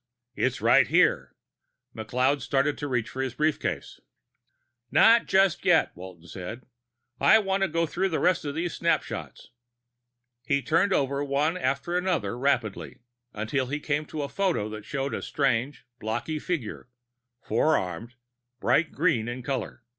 It's right here." McLeod started to reach for his briefcase. "Not just yet," Walton said. "I want to go through the rest of these snapshots." He turned over one after another rapidly until he came to a photo that showed a strange blocky figure, four armed, bright green in color.